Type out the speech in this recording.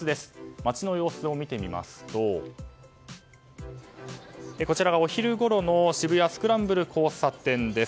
街の様子を見てみますとこちらはお昼ごろの渋谷のスクランブル交差点です。